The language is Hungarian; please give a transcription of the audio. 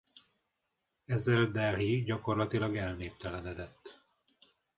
Ezzel Delhi gyakorlatilag elnéptelenedett.